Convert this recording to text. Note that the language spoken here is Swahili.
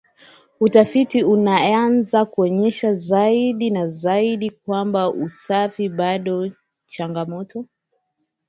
Utafiti umeanza kuonyesha zaidi na zaidi kwamba usafi bado changamoto